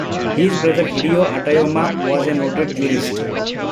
His brother Hideo Hatoyama was a noted jurist.